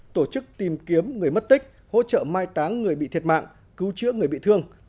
tổ chức tìm kiếm người mất tích hỗ trợ mai táng người bị thiệt mạng cứu chữa người bị thương